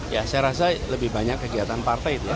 ya saya rasa lebih banyak kegiatan partai itu ya